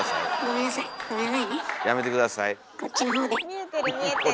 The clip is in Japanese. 見えてる見えてる。